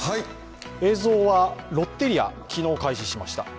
映像はロッテリア、昨日開始しました。